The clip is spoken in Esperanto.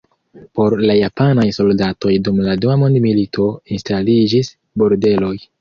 Por la japanaj soldatoj dum la dua mondmilito instaliĝis bordeloj.